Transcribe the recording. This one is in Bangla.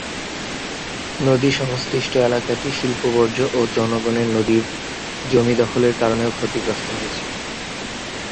নদী সংশ্লিষ্ট এলাকাটি শিল্প বর্জ্য ও জনগণের নদীর জমি দখলের কারণেও ক্ষতিগ্রস্ত হচ্ছে।